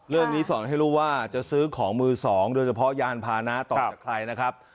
สอนให้รู้ว่าจะซื้อของมือสองโดยเฉพาะยานพานะต่อจากใครนะครับ